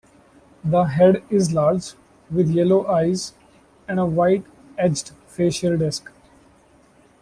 The head is large, with yellow eyes and a white-edged facial disc.